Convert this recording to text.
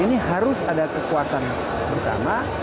ini harus ada kekuatan bersama